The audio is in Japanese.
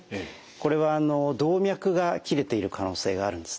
これは動脈が切れている可能性があるんですね。